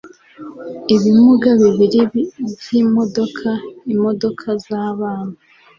ibimuga bibiri byimodoka, imodoka zabana